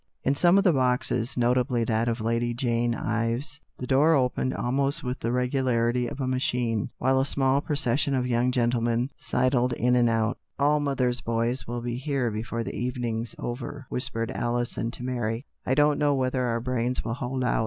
In some of the boxes, notably that of Lady 200 A COMEDY IN REAL LIFE. 201 Jane Ives, the door opened almost with the regularity of a machine, while a small proces sion of young gentlemen sidled in and out. " All mother's i boys ' will be here before the evening's over," whispered Alison to Mary. "I don't know whether our brains will hold out."